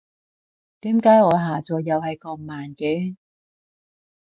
點解我下載遊戲咁慢嘅？